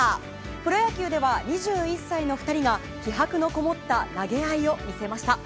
プロ野球では２１歳の２人が気迫のこもった投げ合いを見せました。